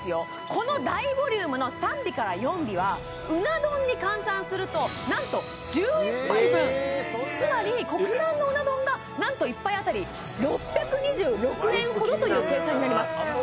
この大ボリュームの３尾から４尾はうな丼に換算するとなんと１１杯分つまり国産のうな丼がなんと１杯当たり６２６円ほどという計算になります